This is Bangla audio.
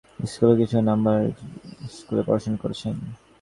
তিনি মেহেরপুর আমঝুঁপি খ্রিষ্টান স্কুল ও কৃষ্ণনগর নর্মাল স্কুলে পড়াশোনা করেছেন।